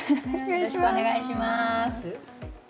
よろしくお願いします。